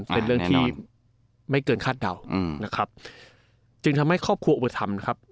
เป็นเรื่องที่ไม่เกินคาดเดาจึงทำให้ครอบครัวอุปธรรม